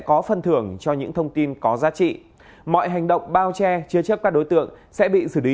cảm ơn các bạn đã theo dõi